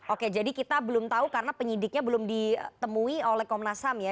oke jadi kita belum tahu karena penyidiknya belum ditemui oleh komnas ham ya